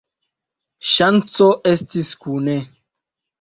Ŝanco esti kune!